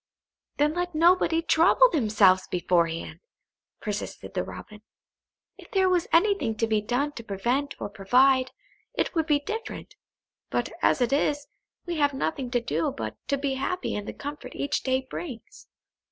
"Then let nobody trouble themselves beforehand," persisted the Robin. "If there was anything to be done to prevent or provide, it would be different. But as it is, we have nothing to do but to be happy in the comfort each day brings."